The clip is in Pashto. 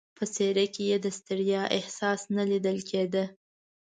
په څېره کې یې د ستړیا احساس نه لیدل کېده.